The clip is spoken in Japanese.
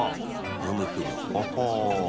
ふむふむほほう。